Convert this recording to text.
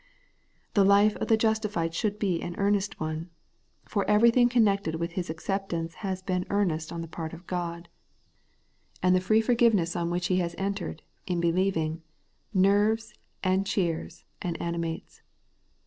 The life of the justified should be an earnest one. For everything connected with his acceptance has been earnest on the part of God ; and the free for 198 Tlic Everlasting Bighteomness. giveness on which he has entered, in believing, nerves, and cheers, and animates.